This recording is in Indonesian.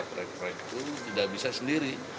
fraksi fraksi itu tidak bisa sendiri